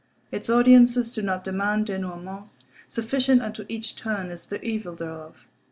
Its audiences do not demand dénouements. Sufficient unto each "turn" is the evil thereof.